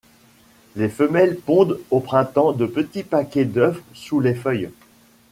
Les femelles pondent au printemps de petits paquets d'œufs sous les feuilles.